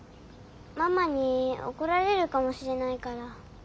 ママに怒られるかもしれないから。